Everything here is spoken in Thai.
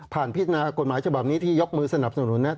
พิจารณากฎหมายฉบับนี้ที่ยกมือสนับสนุนนั้น